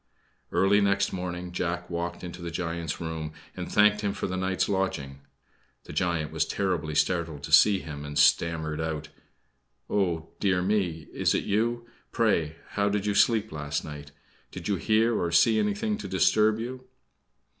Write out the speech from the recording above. Early next morning Jack walked into the giant's room and thanked him for the night's lodging. The giant was terribly startled to see him, and stammered out: "Oh, dear me! Is it you? Pray, how did you sleep last night? Did you hear or see anything to disturb you?"